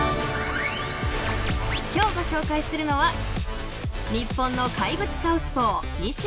［今日ご紹介するのは日本の怪物サウスポー］